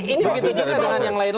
ini opini dibalui